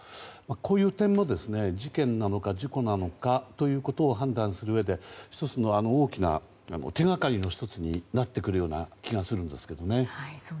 こういう点も事件なのか事故なのかということを判断するうえで大きな手掛かりの１つになってくるような気がするんですけどね。